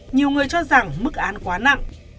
nhiều người cho rằng mức án quá nặng